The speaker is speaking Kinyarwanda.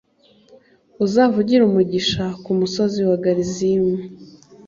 uzavugire umugisha ku musozi wa garizimu,